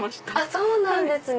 そうなんですね！